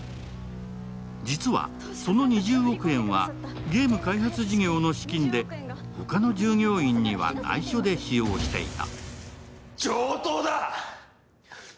実はその２０億円はゲーム開発事業の資金で、他の従業員には、ないしょで使用していた。